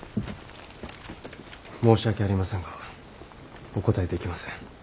申し訳ありませんがお答えできません。